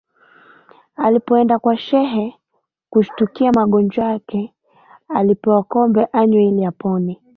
Alipoenda kwa Shehe kushtukia magonjwa ake alipewa kombe anywe ili apone